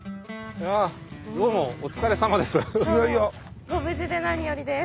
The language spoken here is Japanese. どうもお疲れさまです。